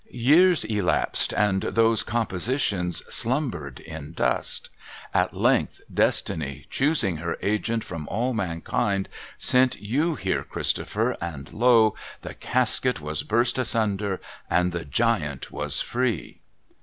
* Years elapsed, and those compositions slumbered in dust. At length, Destiny, choosing her agent from all mankind, sent You here, Christopher, and lo ! the Casket was burst asunder, and the Giant was free